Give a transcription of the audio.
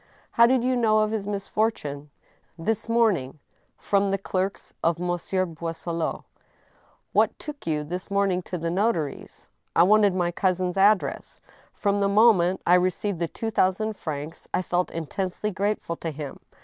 " How did you know of his misfortune ?"This morning, from the clerks of Monsieur Boisselot." " What took you this morning to the notary's ?"" I wanted my cousin's address. From the moment I received the two thousand francs I felt intensely grateful to him.